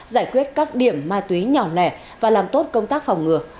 giải quyết các điểm ma túy nhỏ lẻ và làm tốt công tác phòng ngừa